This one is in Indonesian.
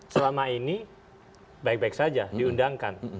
selama ini baik baik saja diundangkan